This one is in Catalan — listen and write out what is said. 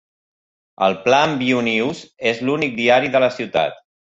El Plainview News és l'únic diari de la ciutat.